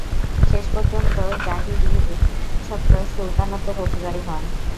শেষ পর্যন্ত যাহির-ই একচ্ছত্র সুলতানাতের অধিকারী হন।